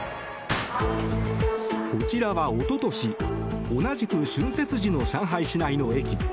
こちらはおととし同じく春節時の上海市内の駅。